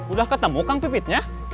udah ketemu kang pipitnya